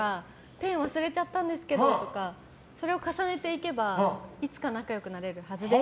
ペン忘れちゃったんですけどとかそれを重ねていけばいつか仲良くなれるはずです。